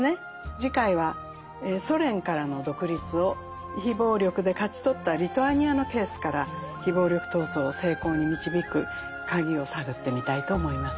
次回はソ連からの独立を非暴力で勝ち取ったリトアニアのケースから非暴力闘争を成功に導く鍵を探ってみたいと思います。